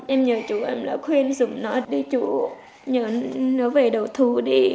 em nhờ chú em là khuyên súng nó đi chú nhớ nó về đầu thú đi